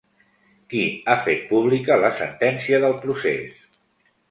Qui ha fet pública la sentència del procés?